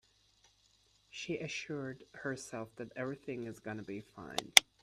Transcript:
She assured herself that everything is gonna be fine.